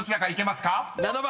７番。